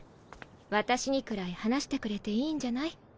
私にくらい話してくれていいんじゃない？